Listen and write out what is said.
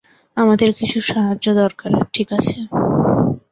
আমাদের কিছু সাহায্য দরকার, ঠিক আছে?